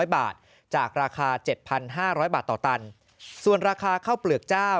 ค่ะจากราคา๗๐๐๐๕๐๐บาทต่อตันราคาเฮ่าเปลือกเจ้า